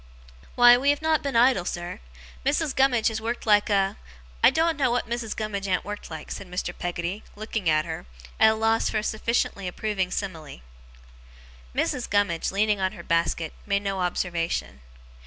'Why, we have not been idle, sir. Missis Gummidge has worked like a I doen't know what Missis Gummidge an't worked like,' said Mr. Peggotty, looking at her, at a loss for a sufficiently approving simile. Mrs. Gummidge, leaning on her basket, made no observation.